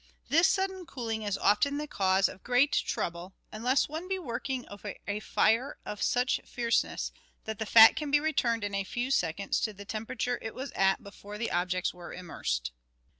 This sudden cooling is often the cause of great trouble, unless one be working over a fire of such fierceness that the fat can return in a few seconds to the temperature it was at before the objects were immersed.